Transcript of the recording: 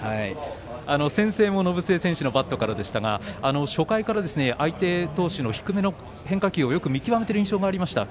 先制も延末選手のバットからでしたが初回から相手投手の低めの変化球をよく見極めている印象がありました。